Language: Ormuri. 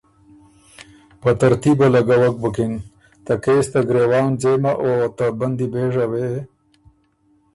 په ترتیبه لګوک بُکِن، ته کېس ته ګرېوان ځېمه او ته بندي بېژه وې